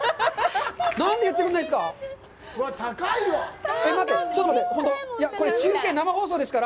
何で言ってくれないんですか？